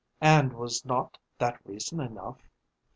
and was not that reason enough?